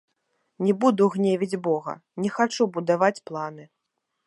Не буду гневіць бога, не хачу будаваць планы.